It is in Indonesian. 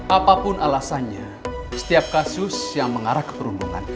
apapun alasannya setiap kasus yang mengarah ke perundungan